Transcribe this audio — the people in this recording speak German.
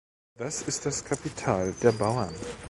Das ist das Kapital der Bauern.